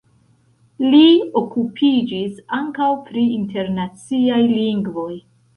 Li okupiĝis ankaŭ pri internaciaj lingvoj.